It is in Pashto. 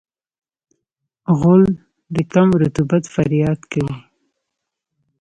غول د کم رطوبت فریاد کوي.